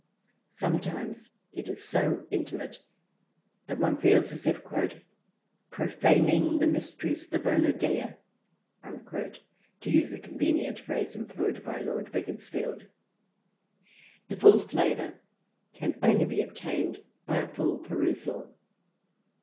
Sometimes it is so intimate that one feels as if " profaning the mysteries of the Bona Dea" to use a convenient phrase employed by Lord Beaconsfield. The full flavour can only be obtained by a full perusal.